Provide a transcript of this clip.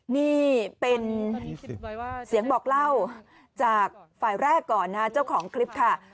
นี่เป็นเสียงบอกเล่าจากฝ่ายแรกก่อนนะเจ้าของคลิปค่ะ